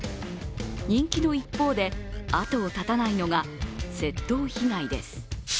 人気の一方で、あとを絶たないのが窃盗被害です。